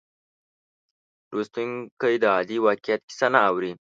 لوستونکی د عادي واقعیت کیسه نه اوري.